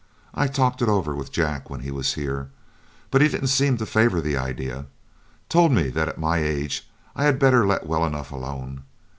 I talked it over with Jack when he was here, but he didn't seem to favor the idea; told me that at my age I had better let well enough alone.